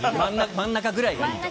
真ん中ぐらいを。